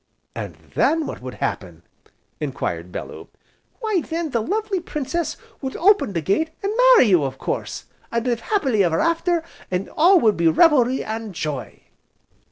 "And then what would happen?" enquired Bellew. "Why then the lovely Princess would open the gate, an' marry you of course, an' live happy ever after, an' all would be revelry an' joy."